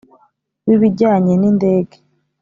W ibijyanye n indege